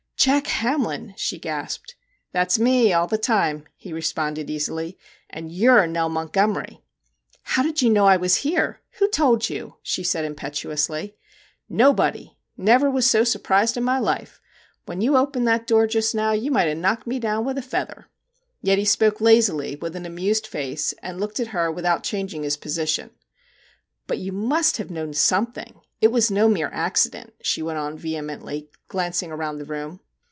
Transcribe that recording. * Jack Hamlin,' she gasped. * That's me, all the time/ he responded easily, * and you 're Nell Montgomery !'' How did you know I was here ? Who told you ?' she said impetuously. * Nobody ! never was so surprised in my MR. JACK HAMLIN'S MEDIATION 13 life! When you opened that door just now you might have knocked me down with a feather.' Yet he spoke lazily, with an amused face, and looked at her without changing his position. 4 But you must have known some t king \ It was no mere accident/ she went on vehemently, glancing around the room.